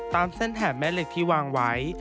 ตามเส้นแถบแม่เหล็กที่วางไว้